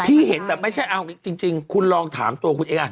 เห็นแบบไม่ใช่เอาจริงคุณลองถามตัวคุณเอง